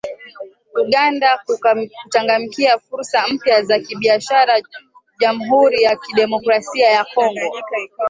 Uganda kuchangamkia fursa mpya za kibiashara Jamhuri ya Kidemocrasia ya Kongo